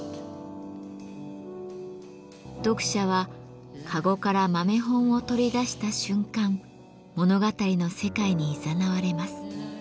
読者は籠から豆本を取り出した瞬間物語の世界にいざなわれます。